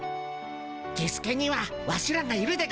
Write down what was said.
キスケにはワシらがいるでゴンス。